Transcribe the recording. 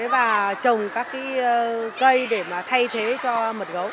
và trồng các cây để mà thay thế cho mật gấu